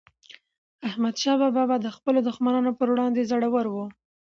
احمدشاه بابا به د خپلو دښمنانو پر وړاندي زړور و.